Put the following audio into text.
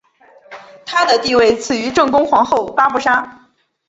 她的地位次于正宫皇后八不沙。